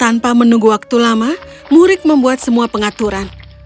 tanpa menunggu waktu lama murik membuat semua pengaturan